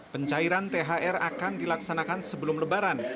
pencairan thr akan dilaksanakan sebelum lebaran